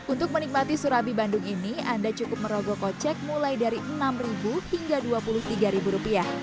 untuk menikmati surabi bandung ini anda cukup merogok kocek mulai dari enam hingga dua puluh tiga rupiah